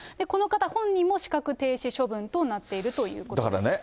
この方本人も資格停止処分となっているということです。